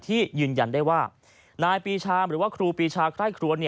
ยืนยันได้ว่านายปีชามหรือว่าครูปีชาไคร่ครัว